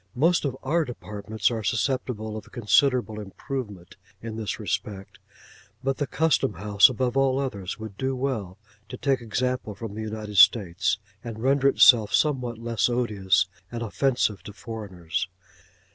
Most of our Departments are susceptible of considerable improvement in this respect, but the Custom house above all others would do well to take example from the United States and render itself somewhat less odious and offensive to foreigners.